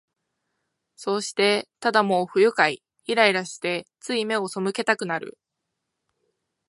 そうして、ただもう不愉快、イライラして、つい眼をそむけたくなる